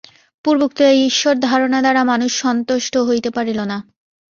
পূর্বোক্ত এই ঈশ্বর-ধারণা দ্বারা মানুষ সন্তুষ্ট হইতে পারিল না।